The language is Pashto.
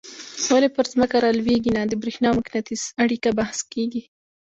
ولي پر ځمکه رالویږي نه د برېښنا او مقناطیس اړیکه بحث کیږي.